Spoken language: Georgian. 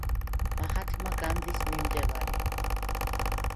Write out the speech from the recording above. მაჰათმა განდის მიმდევარი.